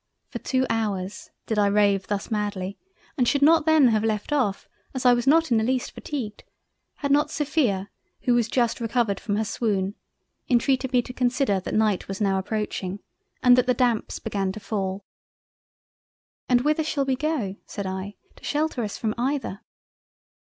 For two Hours did I rave thus madly and should not then have left off, as I was not in the least fatigued, had not Sophia who was just recovered from her swoon, intreated me to consider that Night was now approaching and that the Damps began to fall. "And whither shall we go (said I) to shelter us from either?"